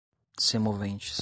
semoventes